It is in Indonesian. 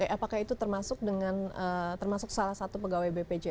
apakah itu termasuk salah satu pegawai bpjs ketenagakerjaan